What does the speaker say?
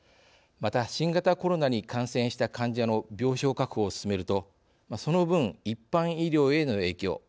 また新型コロナに感染した患者の病床確保を進めるとその分一般医療への影響